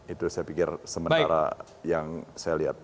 itu saya pikir sementara yang saya lihat